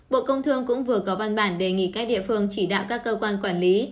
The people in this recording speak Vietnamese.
bộ công thương cũng vừa có văn bản đề nghị các địa phương chỉ đạo các cơ quan quản lý